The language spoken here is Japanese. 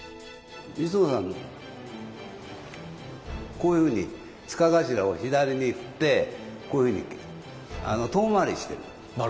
こういうふうに柄頭を左に振ってこういうふうに遠回りしてる。